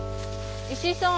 石井さん。